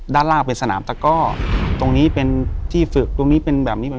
ด้านล่างเป็นสนามตะก้อตรงนี้เป็นที่ฝึกตรงนี้เป็นแบบนี้